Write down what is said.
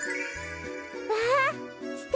わあすてき！